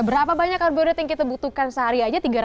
berapa banyak karbohid yang kita butuhkan sehari aja